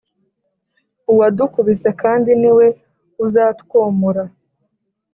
Uwadukubise kandi Ni we uzatwomora